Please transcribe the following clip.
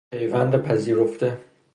پیوند پذیرفته